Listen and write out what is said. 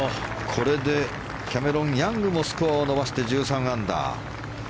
これでキャメロン・ヤングもスコアを伸ばして１３アンダー。